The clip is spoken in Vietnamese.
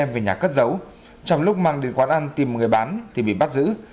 về nhà cất giấu trong lúc mang đến quán ăn tìm người bán thì bị bắt giữ